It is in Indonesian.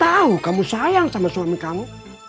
tahu kamu sayang sama suami kamu